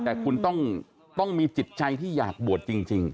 แต่คุณต้องมีจิตใจที่อยากบวชจริง